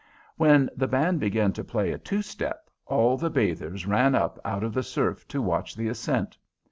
When the band began to play a two step, all the bathers ran up out of the surf to watch the ascent.